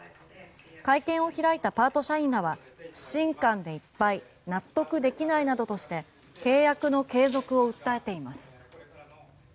会見を開いたパート社員らは不信感でいっぱい納得できないなどとして契約の継続を訴えています。